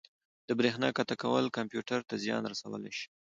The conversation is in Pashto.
د بریښنا قطع کول کمپیوټر ته زیان رسولی شي.